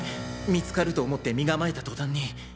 見つかると思って身構えた途端に。